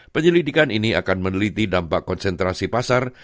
penyelidikan ini akan meneliti dampak konsentrasi pasar